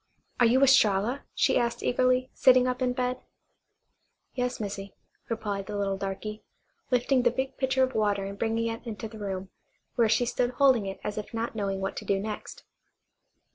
"Are you Estralla?" she asked eagerly, sitting up in bed. "Yas, Missy," replied the little darky, lifting the big pitcher of water and bringing it into the room, where she stood holding it as if not knowing what to do next.